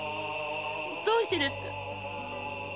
どうしてですか？